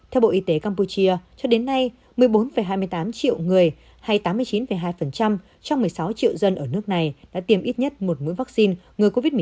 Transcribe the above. theo bộ y tế campuchia cho đến nay một mươi bốn hai mươi tám triệu người hay tám mươi chín hai trong một mươi sáu triệu dân ở nước này đã tiêm ít nhất một mũi vaccine ngừa covid một mươi chín